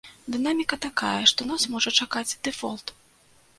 Дынаміка такая, што нас можа чакаць дэфолт.